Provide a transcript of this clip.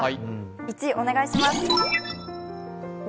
１、お願いします。